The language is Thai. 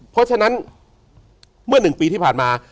เพราะฉะนั้นเมื่อ๑ปีที่ผ่านมา